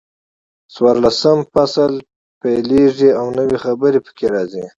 څلورلسم فصل پیلېږي او نوي خبرې پکې راځي.